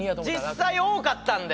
実際多かったんで。